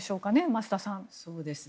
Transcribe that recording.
増田さん。